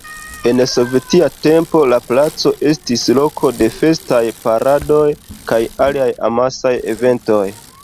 En sovetia tempo la placo estis loko de festaj paradoj kaj aliaj amasaj eventoj.